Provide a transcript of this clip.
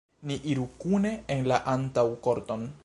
Ni iru kune en la antaŭkorton.